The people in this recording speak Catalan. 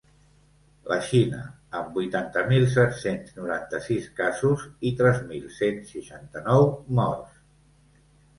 La Xina, amb vuitanta mil set-cents noranta-sis casos i tres mil cent seixanta-nou morts.